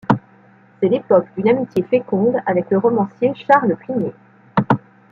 C'est l'époque d'une amitié féconde avec le romancier Charles Plisnier.